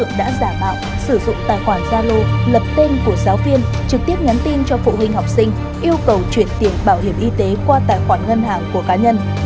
lợi dụng thời điểm đầu năm học các đối tượng đã giả mạng sử dụng tài khoản gia lô lập tên của giáo viên trực tiếp nhắn tin cho phụ huynh học sinh yêu cầu chuyển tiền bảo hiểm y tế qua tài khoản ngân hàng của cá nhân